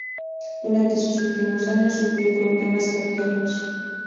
Durante sus últimos años, sufrió problemas cardíacos.